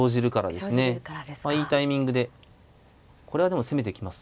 まあいいタイミングでこれはでも攻めていきます。